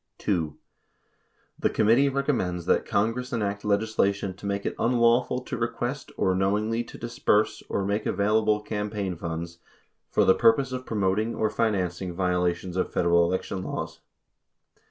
2. The committee recommends that Congress enact legislation to make it unlawful to request or knowingly to disburse or make available campaign funds for the purpose of promoting or financ ing violations of Federal election laws.